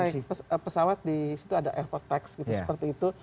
seperti kita naik pesawat di situ ada airport tax gitu seperti itu